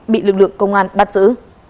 bị lực lượng công an bắt giữ